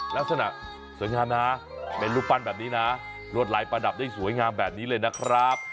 ลักษณะสวยงามนะเป็นรูปปั้นแบบนี้นะรวดลายประดับได้สวยงามแบบนี้เลยนะครับ